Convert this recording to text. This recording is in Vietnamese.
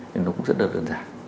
nên nó cũng rất là đơn giản